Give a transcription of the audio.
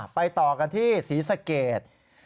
ไปต่อกันที่ศรีสเกต